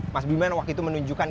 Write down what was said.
mas biman waktu itu menunjukkan